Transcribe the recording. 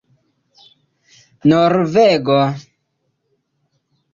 norvego